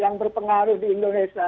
yang berpengaruh di indonesia